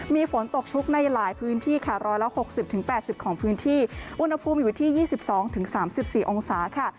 มีฝนตกชุกในหลายพื้นที่ค่ะ๑๖๐๘๐ของพื้นที่อุณหภูมิอยู่ที่๒๒๓๔องศาค่ะ